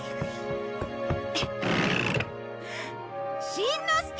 しんのすけ！